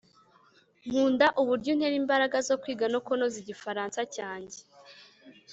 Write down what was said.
nkunda uburyo untera imbaraga zo kwiga no kunoza igifaransa cyanjye